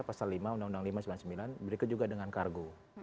pasal lima undang undang lima ratus sembilan puluh sembilan berikut juga dengan kargo